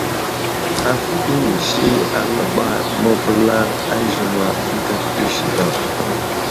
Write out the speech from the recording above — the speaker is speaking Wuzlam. Haf inisi di aləɓay məvəlar a aziŋwa ənta pəlis daw.